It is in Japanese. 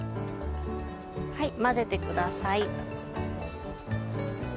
はい混ぜてください。